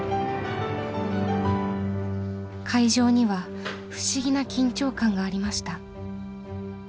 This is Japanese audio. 会場には不思議な緊張感がありました。